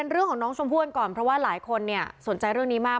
เรื่องของน้องชมพู่กันก่อนเพราะว่าหลายคนสนใจเรื่องนี้มาก